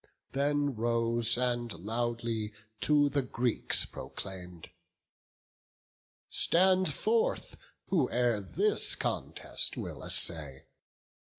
Then rose, and loudly to the Greeks proclaim'd: "Stand forth, whoe'er this contest will essay.